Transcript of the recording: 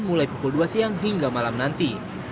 mulai pukul dua siang hingga malam nanti